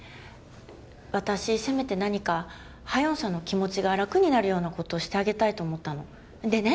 私せめて何か夏英さんの気持ちが楽になるようなことをしてあげたいと思ったのでね